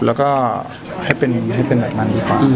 แล้วก็ให้เป็นแบบนั้นดีกว่า